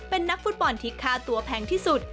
เป็นนักฟุตบอลที่ค่าตัวแพงที่สุด